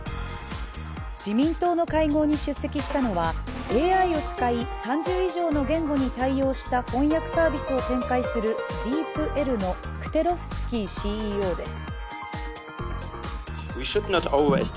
自民党の会合に出席したのはＡＩを使い、３０以上の言語に対応した翻訳サービスを展開するＤｅｅｐＬのクテロフスキーＣＥＯです。